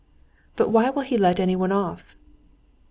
"But why will he let anyone off?"